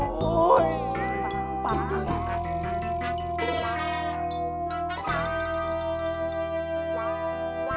กลับมาก